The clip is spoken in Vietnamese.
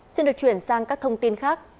xin được chuyển sang các thông tin khác